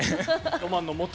ロマンのもと！